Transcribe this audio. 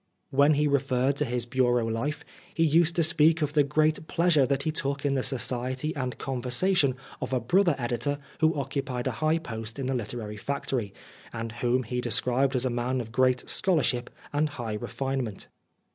When he referred to his bureau life, he used to speak of the great pleasure that he took in the society and conversation of a brother editor who occupied a high post in the literary factory, and whom he described as a man of great scholarship and high refine ment.